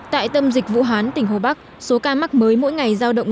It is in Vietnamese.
tại tâm dịch vũ hán tỉnh hồ bắc số ca mắc mới mỗi ngày giao động